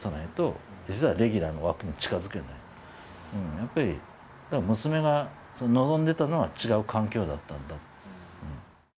やっぱり娘が望んでたのは違う環境だったんだ。